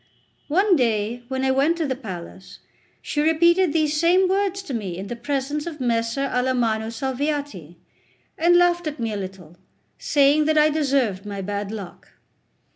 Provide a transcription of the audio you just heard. One day, when I went to the palace, she repeated these same words to me in the presence of Messer Alamanno Salviati, and laughed at me a little, saying that I deserved my bad luck.